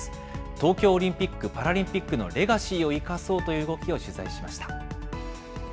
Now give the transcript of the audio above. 東京オリンピック・パラリンピックのレガシーを生かそうという動きを取材しました。